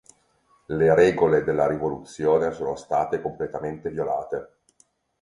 Le regole della rivoluzione sono state completamente violate.